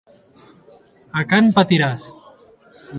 A Can Patiràs.